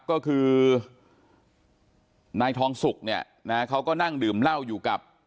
ก็คือนายทองสุกเนี่ยนะเขาก็นั่งดื่มเหล้าอยู่กับ